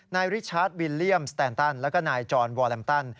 นายริชาร์ดวิลเลียมสแตนตันและนายจอนวอลลัมตัน